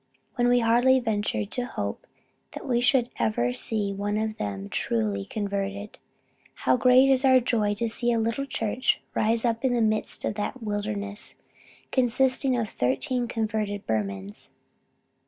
When we hardly ventured to hope that we should ever see one of them truly converted, how great is our joy to see a little church rise up in the midst of that wilderness, consisting of thirteen converted Burmans."